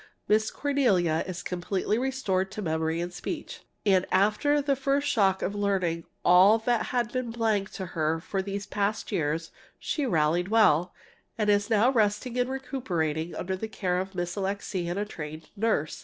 Miss Cornelia is completely restored to memory and speech. And after the first shock of learning all that had been blank to her for these past years, she rallied well, and is now resting and recuperating under the care of Miss Alixe and a trained nurse.